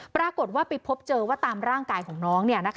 ปรากฏว่าไปพบเจอว่าตามร่างกายของน้อง